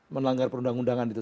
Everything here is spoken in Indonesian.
melanggar perundang undangan itu